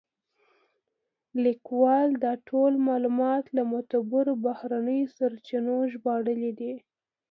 لیکوال دا ټول معلومات له معتبرو بهرنیو سرچینو ژباړلي دي.